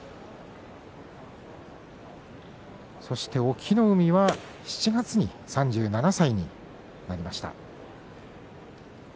そして隠岐の海は７月に３７歳になりました。